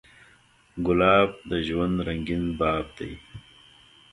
ګلاب د ژوند رنګین باب دی.